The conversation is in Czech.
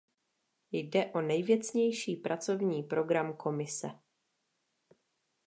Jde o nejvěcnější pracovní program Komise.